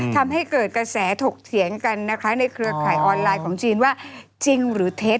ทำให้เกิดกระแสถกเถียงกันนะคะในเครือข่ายออนไลน์ของจีนว่าจริงหรือเท็จ